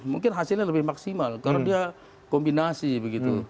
mungkin hasilnya lebih maksimal karena dia kombinasi begitu